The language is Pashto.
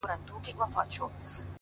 د سترگو تور مي د هغې مخته ايږدمه ځمه!!